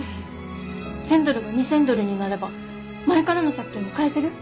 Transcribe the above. １，０００ドルが２，０００ドルになれば前からの借金も返せる？